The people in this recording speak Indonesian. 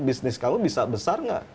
bisnis kamu bisa besar nggak